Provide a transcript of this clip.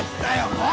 もう！